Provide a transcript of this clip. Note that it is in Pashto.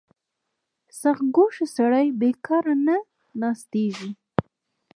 • سختکوش سړی بېکاره نه ناستېږي.